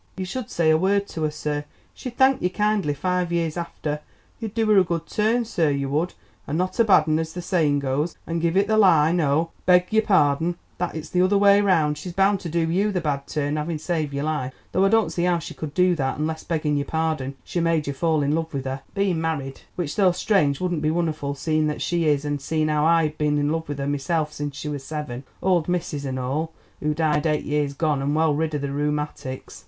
You should say a word to her, sir; she'd thank you kindly five years after. You'd do her a good turn, sir, you would, and not a bad un as the saying goes, and give it the lie—no, beg your pardon, that is the other way round—she's bound to do you the bad turn having saved your life, though I don't see how she could do that unless, begging your pardon, she made you fall in love with her, being married, which though strange wouldn't be wunnerful seeing what she is and seeing how I has been in love with her myself since she was seven, old missus and all, who died eight years gone and well rid of the rheumatics."